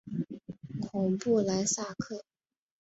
孔布莱萨克。